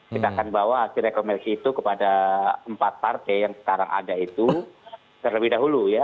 kita akan bawa hasil rekomendasi itu kepada empat partai yang sekarang ada itu terlebih dahulu ya